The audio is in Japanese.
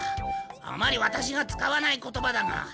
あまりワタシが使わない言葉だが。